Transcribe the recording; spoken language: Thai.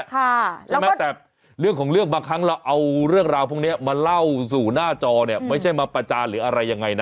ใช่ไหมแต่เรื่องของเรื่องบางครั้งเราเอาเรื่องราวพวกนี้มาเล่าสู่หน้าจอเนี่ยไม่ใช่มาประจานหรืออะไรยังไงนะ